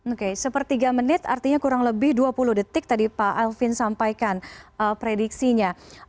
oke sepertiga menit artinya kurang lebih dua puluh detik tadi pak alvin sampaikan prediksinya